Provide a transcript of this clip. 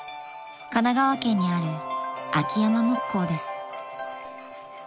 ［神奈川県にある］